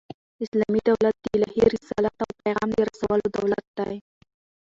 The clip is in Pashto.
اسلامي دولت د الهي رسالت او پیغام د رسولو دولت دئ.